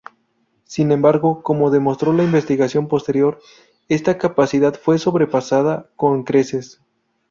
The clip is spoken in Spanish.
Sin embargo, como demostró la investigación posterior, esta capacidad fue sobrepasada con creces.